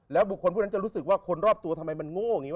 บุคคลพวกนั้นจะรู้สึกว่าคนรอบตัวทำไมมันโง่อย่างนี้